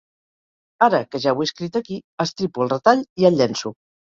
Ara que ja ho he escrit aquí, estripo el retall i el llenço.